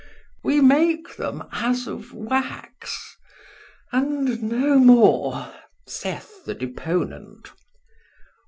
We make them as of wax. And no more saith the deponent.